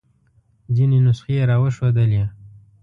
ځینې نسخې یې را وښودلې.